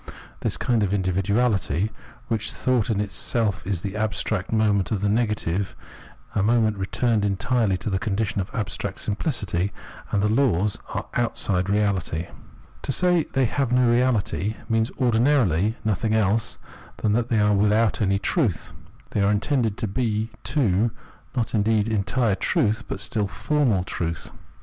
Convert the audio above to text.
This kind of individuahty, which thought is in itself, is the abstract movement of the negative, a movement returned en tirely to the* condition of abstract simpHcity ; and the laws are outside reahty. To say "they have no reality" means ordinarily nothing else than that they are without any truth, 287 288 Phenomenology of Mind They are intended to be, too, not indeed entire truth, but still formal truth.